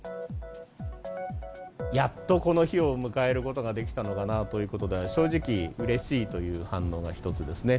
やっとこの日を迎えることができたのかなということで、正直、うれしいという反応が一つですね。